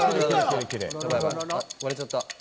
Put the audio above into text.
割れちゃった。